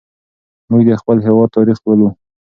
موږ د خپل هېواد تاریخ لولو.